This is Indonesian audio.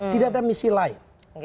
tidak ada misi lain